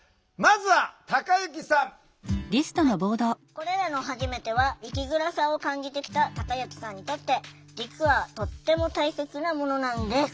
これらのはじめては生きづらさを感じてきたたかゆきさんにとって実はとっても大切なものなんです。